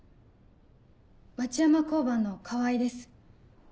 町山交番の川合です。